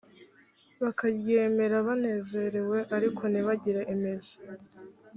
bakaryemera banezerewe ariko ntibagire imizi